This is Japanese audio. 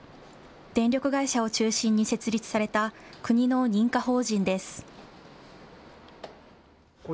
電力会社を中心に設立された、国の認可法人です。